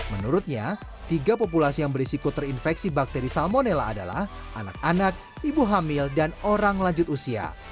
menurutnya tiga populasi yang berisiko terinfeksi bakteri salmonella adalah anak anak ibu hamil dan orang lanjut usia